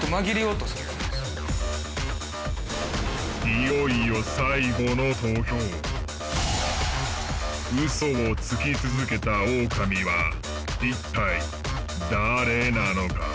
いよいよウソをつき続けたオオカミは一体誰なのか？